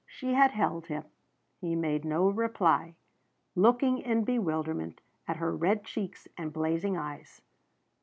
She had held him. He made no reply, looking in bewilderment at her red cheeks and blazing eyes.